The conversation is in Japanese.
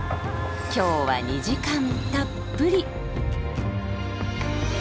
今日は２時間たっぷり。